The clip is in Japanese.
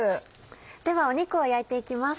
では肉を焼いていきます。